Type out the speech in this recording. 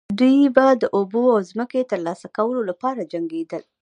دوی به د اوبو او ځمکې د ترلاسه کولو لپاره جنګیدل.